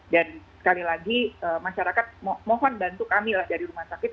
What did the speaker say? sekali lagi masyarakat mohon bantu kami lah dari rumah sakit